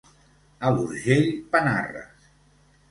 A l'Urgell, panarres.